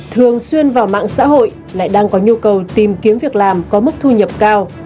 thường xuyên vào mạng xã hội lại đang có nhu cầu tìm kiếm việc làm có mức thu nhập cao